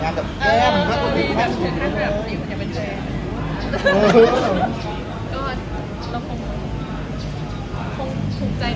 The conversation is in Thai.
หนังสุมมุมเราคงถูกใจ